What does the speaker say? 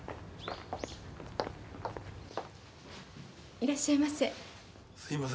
いらっしゃいませ。